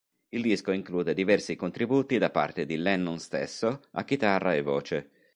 Il disco include diversi contributi da parte di Lennon stesso a chitarra e voce.